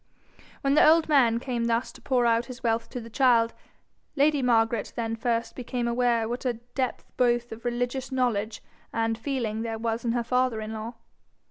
When the old man came thus to pour out his wealth to the child, lady Margaret then first became aware what a depth both of religious knowledge and feeling there was in her father in law.